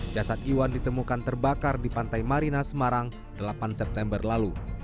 jasad iwan ditemukan terbakar di pantai marina semarang delapan september lalu